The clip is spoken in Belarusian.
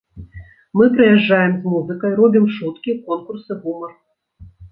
Мы прыязджаем з музыкай, робім шуткі, конкурсы, гумар.